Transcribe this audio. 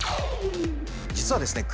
実はですね